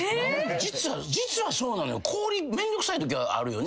実はそうなのよ。